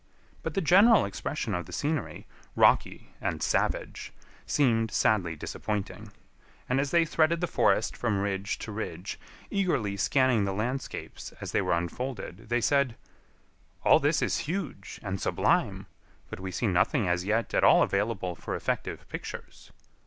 But the general expression of the scenery—rocky and savage—seemed sadly disappointing; and as they threaded the forest from ridge to ridge, eagerly scanning the landscapes as they were unfolded, they said: "All this is huge and sublime, but we see nothing as yet at all available for effective pictures.